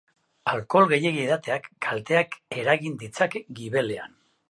Alkohol gehiegi edateak kalteak eragin ditzake gibelean.